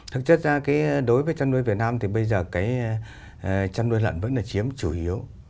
thực chất ra đối với chăn nuôi việt nam thì bây giờ cái chăn nuôi lợn vẫn là chiếm chủ yếu